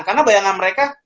karena bayangan mereka